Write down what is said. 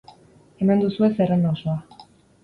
Hemen duzue zerrenda osoa.